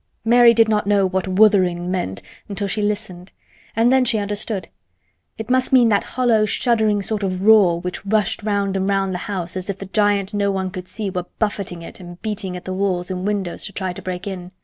Mary did not know what "wutherin'" meant until she listened, and then she understood. It must mean that hollow shuddering sort of roar which rushed round and round the house as if the giant no one could see were buffeting it and beating at the walls and windows to try to break in.